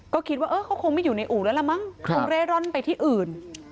ก็คิดว่าเขาคงไม่อยู่ในอู่แล้วล่ะมั้งคงเร่ร่อนไปที่อื่น